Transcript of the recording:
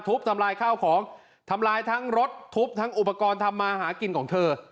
ทำลายข้าวของทำลายทั้งรถทุบทั้งอุปกรณ์ทำมาหากินของเธอ